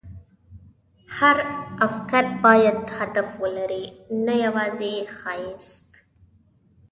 هر افکت باید هدف ولري، نه یوازې ښایست.